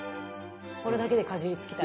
これだけでかじりつきたい。